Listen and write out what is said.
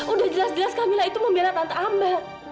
udah jelas jelas kamila itu membela tante ambar